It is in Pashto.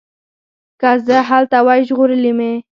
که زه هلته وای ژغورلي مي